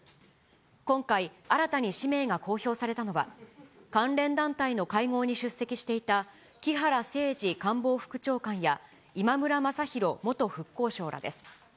今回新たに氏名が公表されたのは、関連団体の会合に出席していた木原誠二官房副長官や、今村雅弘元復興相らです。